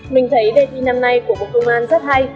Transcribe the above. mình thấy đề thi năm nay của bộ công an rất hay